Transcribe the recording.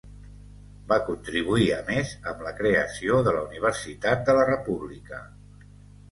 Va contribuir a més amb la creació de la Universitat de la República.